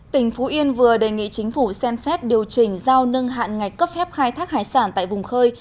tỉnh phú yên vừa đề nghị chính phủ xem xét điều chỉnh giao nâng hạn ngạch cấp phép khai thác hải sản tại vùng khơi